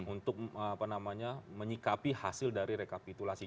untuk apa namanya menyikapi hasil dari rekapitulasi